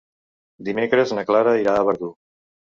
Dimecres na Clara irà a Verdú.